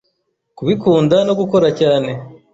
kubikunda no gukora cyane..